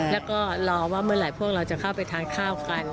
แล้วก็รอว่าเมื่อไหร่พวกเราจะเข้าไปทานข้าวกัน